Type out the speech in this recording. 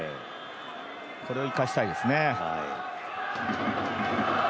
これを生かしたいですね。